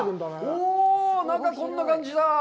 おー、中はこんな感じだ。